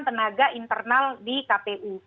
tenaga internal di kpu